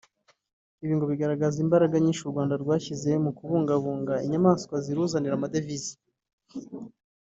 Ibi ngo bigaragaza imbaraga nyinshi u Rwanda rwashyize mu kubungabunga izi nyamanswa ziruzanira amadevize